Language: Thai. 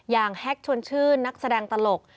แฮกชวนชื่นนักแสดงตลก